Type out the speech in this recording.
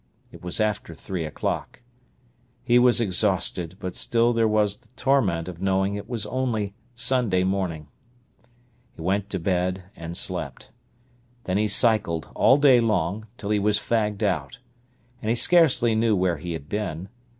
It was after three o'clock. He was exhausted, but still there was the torment of knowing it was only Sunday morning. He went to bed and slept. Then he cycled all day long, till he was fagged out. And he scarcely knew where he had been.